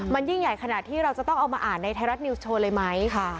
มันยิ่งใหญ่ขนาดที่เราจะต้องเอามาอ่านในไทยรัฐนิวส์โชว์เลยไหม